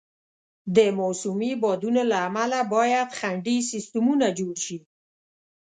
د موسمي بادونو له امله باید خنډي سیستمونه جوړ شي.